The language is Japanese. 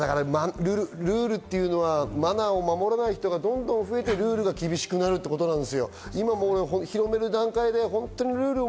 ルールというのはマナーを守らない人がどんどん増えてくると厳しくなるということで。